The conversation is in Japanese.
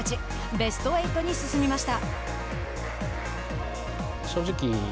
ベスト８に進みました。